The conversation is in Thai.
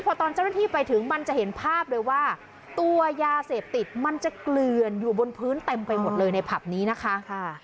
พอตอนเจ้าหน้าที่ไปถึงมันจะเห็นภาพเลยว่าตัวยาเสพติดมันจะเกลือนอยู่บนพื้นเต็มไปหมดเลยในผับนี้นะคะ